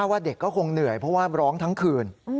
ว่าเด็กก็คงเหนื่อยเพราะว่าร้องทั้งคืน